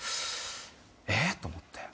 えっ？と思って。